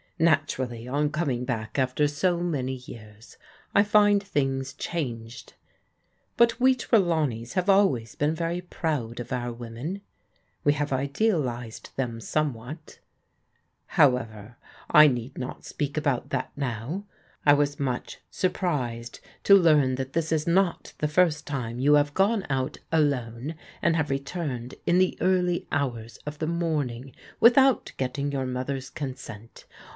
Naturally, on coming back after so many years, I find things changed. But w^ Tt^ lawneys have always been very proud oi out wamssL. 46 PBODIGAL DAUGHTEBS We have idealized them somewhat However, I need not speak about that now. I was much surprised to learn that this is not the first time you have gone out alone, and have returned in the early hours of the morn ing without getting your mother's consent.